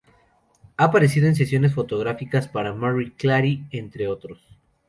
Ha aparecido en sesiones fotográficas para "Marie Claire", entre otros.